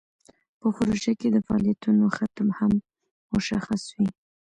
په پروژه کې د فعالیتونو ختم هم مشخص وي.